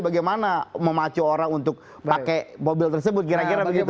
bagaimana memacu orang untuk pakai mobil tersebut kira kira begitu